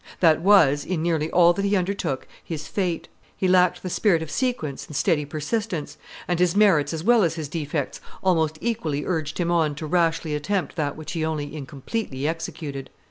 That was, in nearly all that he undertook, his fate; he lacked the spirit of sequence and steady persistence, and his merits as well as his defects almost equally urged him on to rashly attempt that which he only incompletely executed.